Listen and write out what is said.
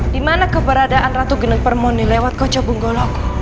di mana keberadaan ratu gedeng permoni lewat kocobung goloku